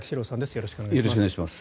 よろしくお願いします。